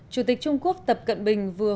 chủ tịch trung quốc tập cận bình vừa